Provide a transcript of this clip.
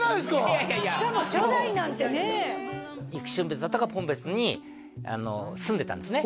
いやいやいやしかも初代なんてね幾春別だったか奔別に住んでたんですね